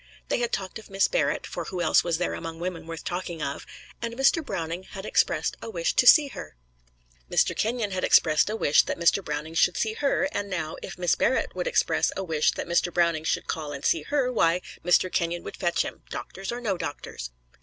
They had talked of Miss Barrett (for who else was there among women worth talking of!) and Mr. Browning had expressed a wish to see her. Mr. Kenyon had expressed a wish that Mr. Browning should see her, and now if Miss Barrett would express a wish that Mr. Browning should call and see her, why, Mr. Kenyon would fetch him doctors or no doctors.